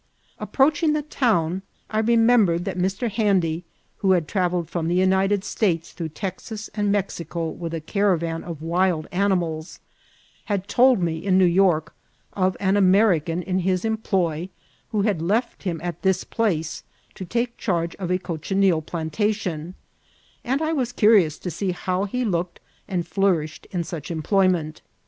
Approaching the town, I remembered that Mr. Han dy, who had travelled from the United States through Texas and Mexico with a caravan of wild animals, had told me in New York of an American in his employ, who had left him at this place to take charge of a cochi neal plantation, and I was curious to see how he looked and flourished in such employment.